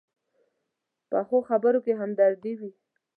پخو خبرو کې همدردي وي